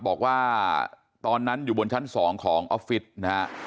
บอกว่าตอนนั้นอยู่บนชั้น๒ของออฟฟิศนะฮะ